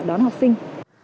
đón học sinh